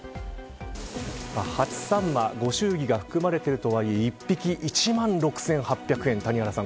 初サンマご祝儀が含まれているとはいえ１匹１万６８００円谷原さん